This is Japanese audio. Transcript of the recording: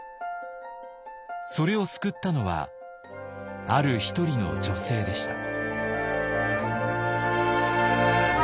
それを救ったのはある一人の女性でした。